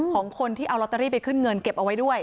ของคนที่เอาลอตเตอรี่ไปขึ้นเงินเก็บเอาไว้ด้วย